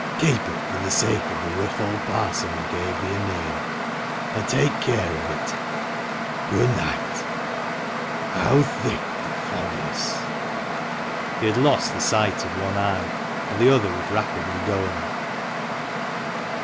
Keep it for the sake of the rough old Parson who gave thee thy name. And take care of it. Good night. How thick the fog is!" He had lost the sight of one eye, and the other was rapidly going.